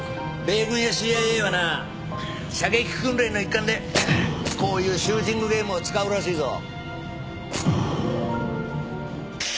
米軍や ＣＩＡ はな射撃訓練の一環でこういうシューティングゲームを使うらしいぞ